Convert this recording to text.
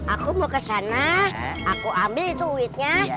aku mau kesana aku ambil itu witnya